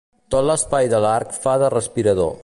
Tot l'espai de l'arc fa de respirador.